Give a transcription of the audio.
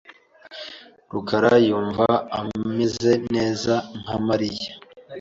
rukara yumva ameze neza nka Mariya .